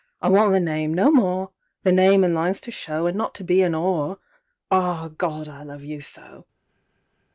I want the name—no more—The name, an' lines to show, An' not to be an 'ore….Ah, Gawd, I love you so!